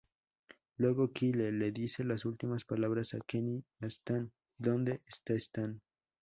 Luego Kyle le dice las últimas palabras de Kenny a Stan: "¿Dónde está Stan?